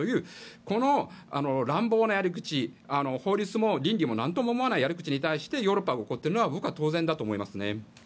この乱暴なやり口法律も倫理もなんとも思わないやり口に対してヨーロッパが怒っているのは当然だと思いますね。